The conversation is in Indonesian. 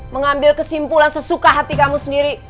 mengambil kesimpulan sesuka hati kamu sendiri